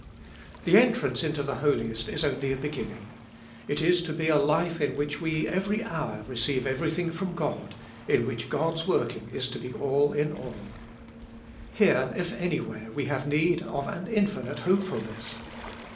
The entrance into the Holiest is only a beginning. It is to be a life in which we every hour receive everything from God, in which God's working is to be all in all. Here, if any where, we have need of an infinite hopefulness.